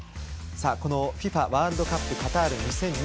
このＦＩＦＡワールドカップカタール２０２２